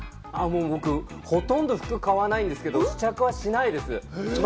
僕、ほとんど服買わないんですけど、試着はしないです。